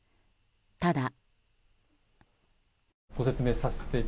ただ。